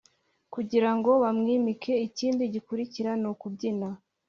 kugira ngo bamwimike ikindi gikurikiranukubyina